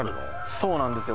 そうなんですよ